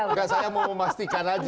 enggak saya mau memastikan aja